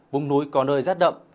vùng núi có nơi rét đậm